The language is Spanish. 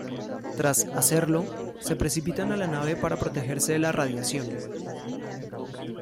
Tras hacerlo, se precipitan a la nave para protegerse de la radiación.